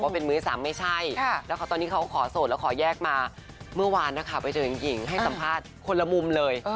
ไปเจอกับหญิงให้สัมภาษณ์คนละมุมเลย